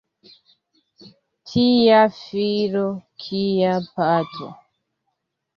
Tia filo kia patro!